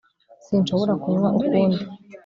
sinshobora kunywa ukundi